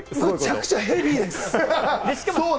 むちゃくちゃヘビーです。